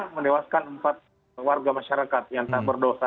menewaskan empat warga masyarakat yang tak berdosa